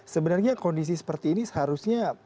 sebenarnya kondisi seperti ini seharusnya